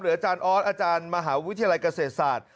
อาจารย์ออสอาจารย์มหาวิทยาลัยเกษตรศาสตร์